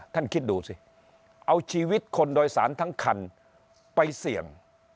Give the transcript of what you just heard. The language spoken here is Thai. คิดดูสิเอาชีวิตคนโดยสารทั้งคันไปเสี่ยง